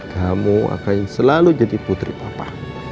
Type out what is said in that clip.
kamu akan selalu jadi putri papa